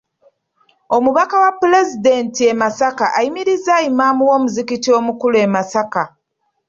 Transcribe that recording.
Omubaka wa Pulezidenti e Masaka ayimirizza Imam w'omuzikiti omukulu e Masaka.